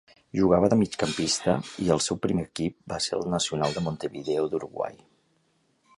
Jugava de migcampista i el seu primer equip va ser el Nacional de Montevideo d'Uruguai.